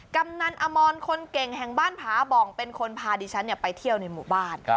กำนันอมรคนเก่งแห่งบ้านผาบ่องเป็นคนพาดิฉันไปเที่ยวในหมู่บ้าน